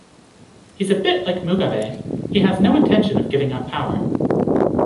He's a bit like Mugabe...He has no intention of giving up power.